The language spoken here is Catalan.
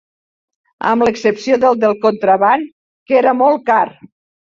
Amb l'excepció del de contraban, que era molt car